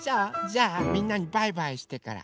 じゃあみんなにバイバイしてから。